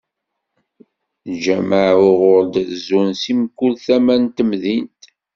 Ljameɛ uɣur d-rezzun si mkul tama n temdint.